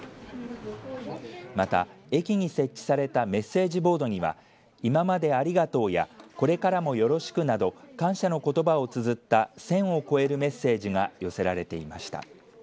また、駅に設置されたメッセージボードには今までありがとうやこれからもよろしくなど感謝のことばをつづった１０００を超えるメッセージが寄せられていました。